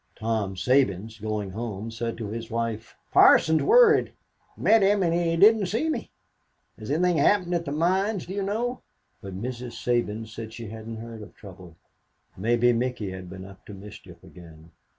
Tom Sabins, going home, said to his wife, "The parson is worried. Met him and he didn't see me. Has anything happened at the mines, do you know?" But Mrs. Sabins said she hadn't heard of trouble. Maybe Micky had been up to mischief again.